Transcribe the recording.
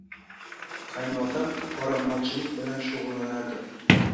Qaynotam qoramolchilik bilan shug`ullanardi